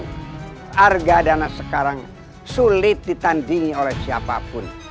karena harga dana sekarang sulit ditandingi oleh siapapun